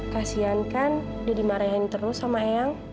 kasian kan dia dimarahin terus sama eyang